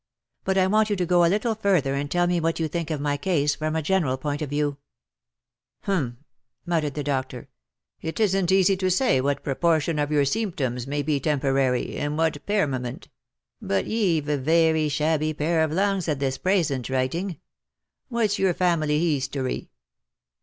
But I want you to go a little further and tell me what you think of my case from a general point of view." " Humph," muttered the doctor, ^' it isn't easy to say what proportion of your scemptoms may be temporary, and what pairmenent ; but ye've a 8 " LET ME AND MY PASSIONATE LOVE GO BY. vairy shabby pair of lungs at this praisent writing. What's your family heestory